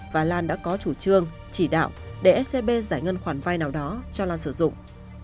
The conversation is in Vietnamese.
và lan đã có chủ trương chỉ đạo để scb giải ngân khoản vai nào đó cho lan sử dụng